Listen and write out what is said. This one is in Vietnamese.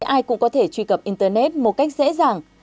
ai cũng có thể truy cập internet một cách dễ dàng